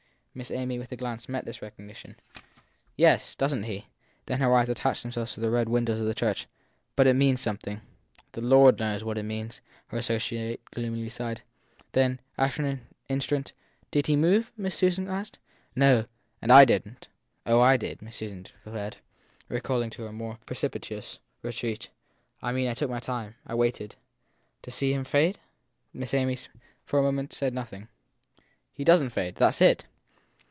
Miss Amy, with a glance, met this recognition. Yes doesn t he? ; Then her eyes attached themselves to the red windows of the church. But it means something. 7 ( The Lord knows what it means ! her associate gloomily sighed. Then, after an instant, Did he move? Miss Susan asked. No and /didn t. Oh, I did ! Miss Susan declared, recalling her more pre cipitous retreat. I mean I took my time. I waited. To see him fade? Miss Amy for a moment said nothing. He doesn t fade. That s it.